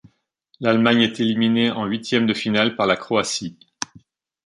L'Allemagne est éliminée en huitièmes de finale par la Croatie.